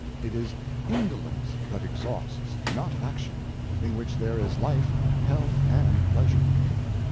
It is indolence that exhausts, not action, in which there is life, health, and pleasure.